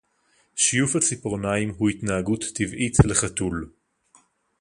שיוף הציפורניים הוא התנהגות טבעית לחתול